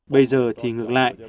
bây giờ thì ngược lại